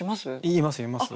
言います言います。